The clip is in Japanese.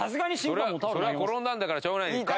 転んだんだからしょうがない。